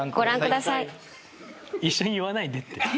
一緒に言わないでって。